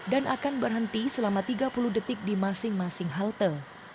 dan akan berhenti selama tiga puluh detik di masing masing halte